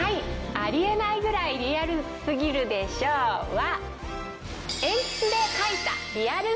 「ありえないくらいリアルすぎるで賞」は。